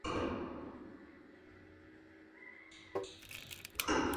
Brandt recibió autorización de la liga para suspender operaciones por un año.